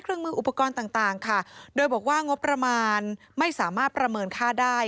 มืออุปกรณ์ต่างต่างค่ะโดยบอกว่างบประมาณไม่สามารถประเมินค่าได้